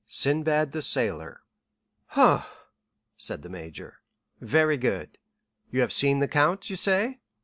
"'Sinbad the Sailor.'" "Humph," said the major; "very good. You have seen the count, you say?"